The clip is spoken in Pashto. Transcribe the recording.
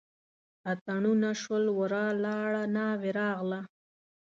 اتڼونه شول ورا لاړه ناوې راغله.